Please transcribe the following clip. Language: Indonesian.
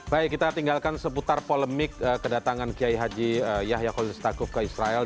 baik kita tinggalkan seputar polemik kedatangan kiai haji yahya khalilistakuf ke israel